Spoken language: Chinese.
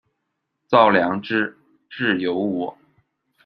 造梁之制有五：